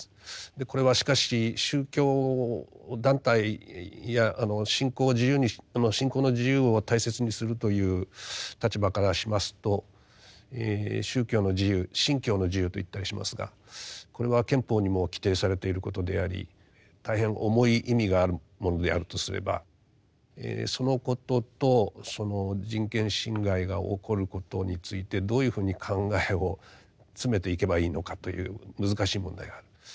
これはしかし宗教団体や信仰の自由を大切にするという立場からしますと宗教の自由信教の自由と言ったりしますがこれは憲法にも規定されていることであり大変重い意味があるものであるとすればそのこととその人権侵害が起こることについてどういうふうに考えを詰めていけばいいのかという難しい問題がある。